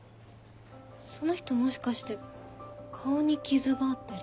その人もしかして顔に傷があったり。